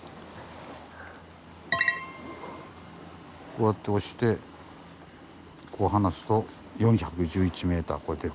こうやって押してこう離すと４１１ｍ超えてるんです。